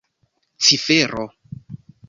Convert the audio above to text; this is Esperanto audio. cifero